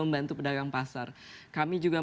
membantu pedagang pasar kami juga